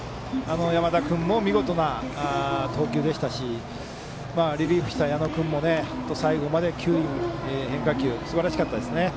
山田君も見事な投球でしたしリリーフした矢野君も最後まで変化球すばらしかったですね。